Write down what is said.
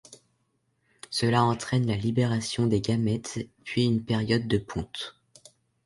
Cela entraîne la libération des gamètes puis une période de ponte.